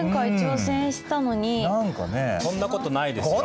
そんなことないですよ。